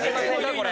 これ。